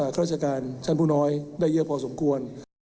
ราชการชั้นผู้น้อยได้เยอะพอสมควร